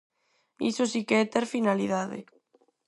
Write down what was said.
¡Iso si que é ter finalidade!